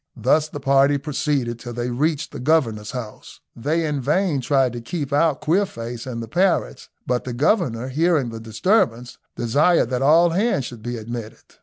Thus the party proceeded till they reached the governor's house. They in vain tried to keep out Queerface and the parrots, but the governor, hearing the disturbance, desired that all hands should be admitted.